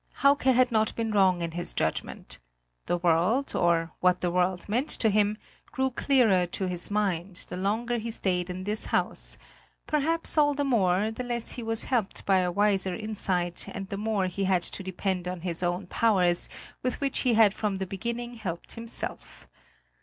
Hauke had not been wrong in his judgment. The world, or what the world meant to him, grew clearer to his mind, the longer he stayed in this house perhaps all the more, the less he was helped by a wiser insight and the more he had to depend on his own powers with which he had from the beginning helped himself.